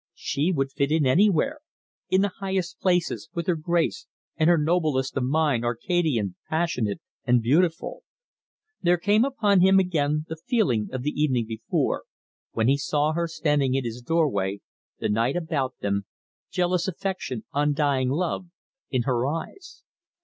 She would fit in anywhere in the highest places, with her grace, and her nobleness of mind, arcadian, passionate and beautiful. There came upon him again the feeling of the evening before, when he saw her standing in his doorway, the night about them, jealous affection, undying love, in her eyes.